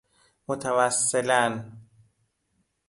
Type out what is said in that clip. متوسلاً